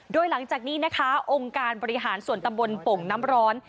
โดยหลังจากนี้นะคะองค์การบริหารส่วนตำบลโป่งน้ำร้อน